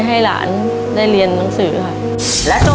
ตัวเลือกที่สี่สุภาพ